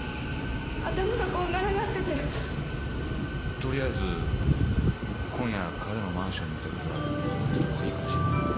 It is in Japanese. とりあえず今夜彼のマンションにいたことは黙ってたほうがいいかもしれないな。